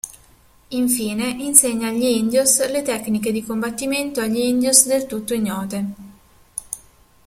Infine insegna agli indios le tecniche di combattimento agli indios del tutto ignote.